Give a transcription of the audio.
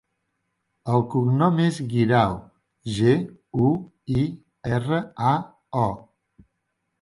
El cognom és Guirao: ge, u, i, erra, a, o.